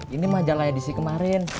ini majalah edisi kemarin